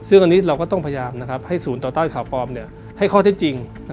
ซึ่งอันนี้เราก็ต้องพยายามให้ศูนย์ต่อต้านข่าวปลอมให้ข้อเท็จจริง